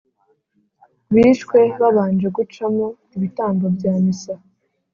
bishwe babanje gucamo ibitambo bya misa